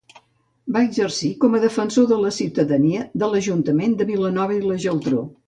Va exercir com a Defensor de la ciutadania de l'Ajuntament de Vilanova i la Geltrú.